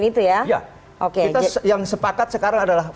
kita yang sepakat sekarang adalah